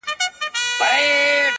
تا ولي په سوالونو کي سوالونه لټوله ـ